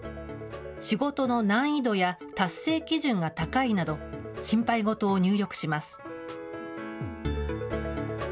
仕事の難易度や達成基準が高いなど、心配事を入力します。